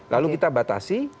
lalu kita batasi